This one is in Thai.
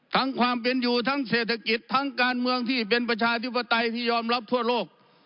ความเป็นอยู่ทั้งเศรษฐกิจทั้งการเมืองที่เป็นประชาธิปไตยที่ยอมรับทั่วโลก